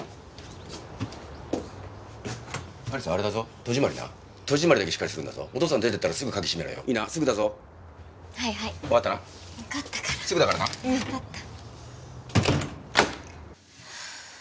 有栖あれだぞ戸締まりな戸締まりだけしっかりするんだぞお父さん出てったらすぐ鍵閉めろよいいなすぐだぞはいはい分かったなすぐだからな分かったからうん分かった